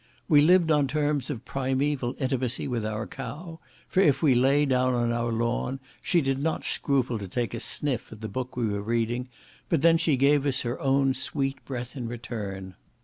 We lived on terms of primaeval intimacy with our cow, for if we lay down on our lawn she did not scruple to take a sniff at the book we were reading, but then she gave us her own sweet breath in return.